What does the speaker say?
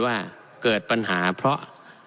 ว่าเกิดปัญหาเพราะ